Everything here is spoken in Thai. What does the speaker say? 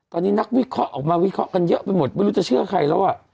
ตอนนี้นักวิเคราะห์ออกมาวิเคราะห์กันเยอะไปหมดไม่รู้จะเชื่อใครแล้วอ่ะ